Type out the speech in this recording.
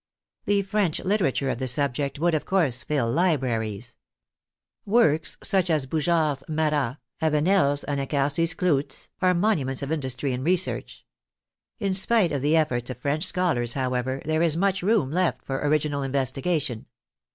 The French Uterature of the subject would, of course, fill libraries. Works such as Bougeart's " Marat," Avenel's " Anacharsis Clootz," are monuments of industry in research. In spite of the ef forts of French scholars, however, there is much room left for original investigation.